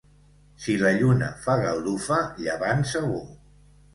Si la lluna fa galdufa, llevant segur.